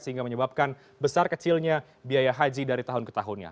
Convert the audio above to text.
sehingga menyebabkan besar kecilnya biaya haji dari tahun ke tahunnya